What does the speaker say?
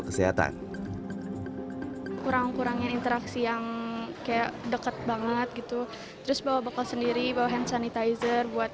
kurang kurangnya interaksi yang kayak dekat banget gitu terus bawa bekal sendiri bahan sanitizer buat